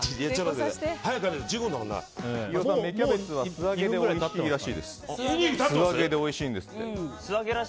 芽キャベツは素揚げでおいしいんですって。